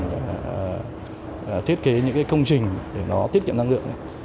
để thiết kế những cái công trình để nó tiết kiệm năng lượng